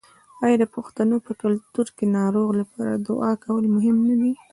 آیا د پښتنو په کلتور کې د ناروغ لپاره دعا کول مهم نه دي؟